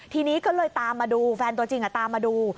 ทีนี้ก็เลยตามมาดูแฟนตัวจริงตามมาดู